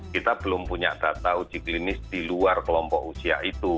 kita belum punya data uji klinis di luar kelompok usia itu